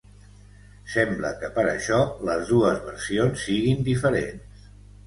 Sembla que per això, les dues versions siguin diferents.